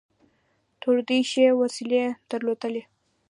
تر دوی ښې وسلې درلودلې.